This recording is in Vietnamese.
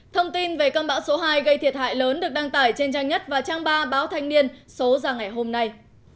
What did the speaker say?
thông tin về cơn bão số hai gây thiệt hại lớn được đăng tải trên trang nhất và trang ba báo thanh niên số ra ngày hôm nay